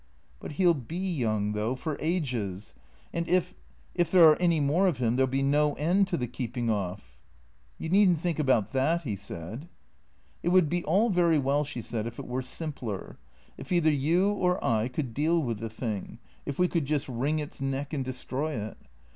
But he '11 be young, though, for ages. And if — if there are any more of him, there '11 be no end to the keeping off." " You need n't think about that," he said. " It would be all very well," she said, " if it were simpler ; if either you or I could deal with the thing, if we could just wring its neck and destroy it.